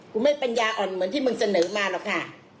ไม่ปัญญาอ่อนเหมือนที่มึงเสนอมาหรอกค่ะ